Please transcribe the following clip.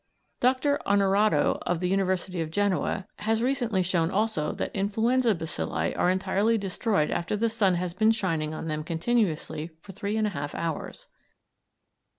Dr. Onorato, of the University of Genoa, has recently shown, also, that influenza bacilli are entirely destroyed after the sun has been shining on them continuously for three and a half hours.